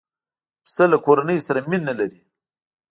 پسه له کورنۍ سره مینه لري.